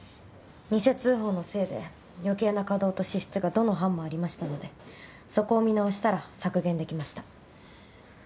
偽通報のせいで余計な稼働と支出がどの班もありましたのでそこを見直したら削減できました。